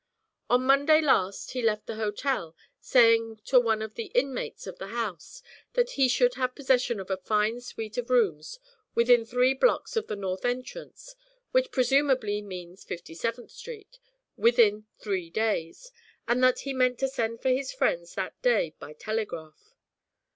On Monday last he left the hotel, saying to one of the inmates of the house that he should have possession of a fine suite of rooms, within three blocks of the north entrance, which presumably means Fifty seventh Street, within three days, and that he meant to send for his friends that day by telegraph.